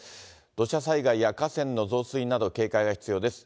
土砂災害や河川の増水など、警戒が必要です。